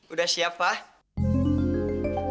udah siap pak